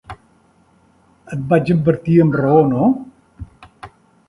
Et vaig advertir amb raó, no?